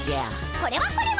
これはこれは。